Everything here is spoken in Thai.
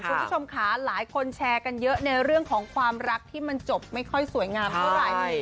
คุณผู้ชมหลายคนแชร์การเยอะเรื่องของความรักที่จบไม่ค่อยสวยงามที่สุด